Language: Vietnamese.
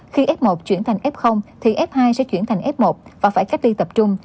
khi f một chuyển thành f thì f hai sẽ chuyển thành f một và phải cách ly tập trung